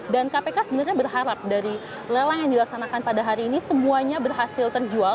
dan kpk sebenarnya berharap dari lelang yang dilaksanakan pada hari ini semuanya berhasil terjual